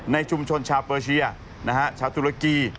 ในชุมชนชาวเปอร์เชียชาวตุรกี